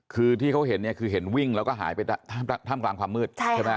คือที่เขาเห็นเนี่ยคือเห็นวิ่งแล้วก็หายไปท่ามกลางความมืดใช่ไหม